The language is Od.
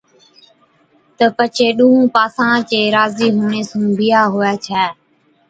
تہ پڇي ڏُونھُون پاسان چي راضِي ھُوڻي سُون بِيھا ھُوي ڇَي